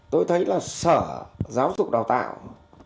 tôi thấy là sở giáo dục đào tạo